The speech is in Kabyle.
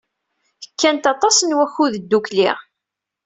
Kkant aṭas n wakud ddukkli.